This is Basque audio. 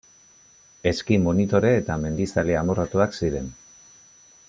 Eski monitore eta mendizale amorratuak ziren.